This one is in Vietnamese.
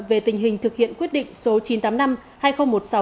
về tình hình thực hiện quyết định số chín trăm tám mươi năm